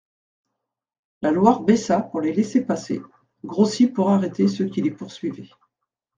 La Loire baissa pour les laisser passer, grossit pour arrêter ceux qui les poursuivaient.